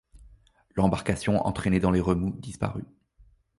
L’embarcation, entraînée dans les remous, disparut.